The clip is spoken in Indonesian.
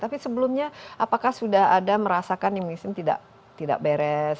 tapi sebelumnya apakah sudah ada merasakan yang mungkin tidak beres